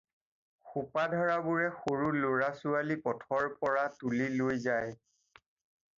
সোপাধৰাবোৰে সৰু ল'ৰা ছোৱালী পথৰ পৰা তুলি লৈ যায়।